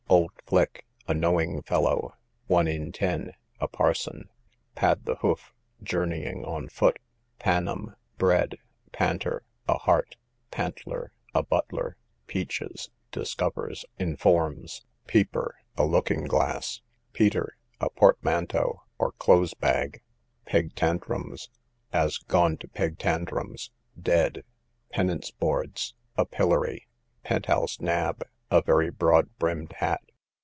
Old flick a knowing fellow. One in ten, a parson. Pad the hoof, journeying on foot. Panum, bread. Panter, a heart. Pantler, a butler. Peaches, discovers, informs. Peeper, a looking glass. Peter, a portmanteau, or cloak bag. Peg tandrums, as, gone to peg tandrums, dead. Penance boards, a pillory. Penthouse nab, a very broad brimmed hat.